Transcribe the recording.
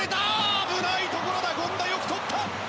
危ないところだ権田、よく取った！